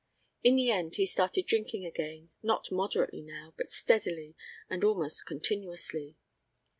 In the end he started drinking again, not moderately now, but steadily and almost continuously.